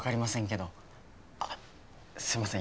あっすいません